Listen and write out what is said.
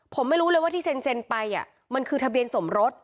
ผมไม่รู้เลยว่าที่เซ็นไปมันคือทะเบียนสมรส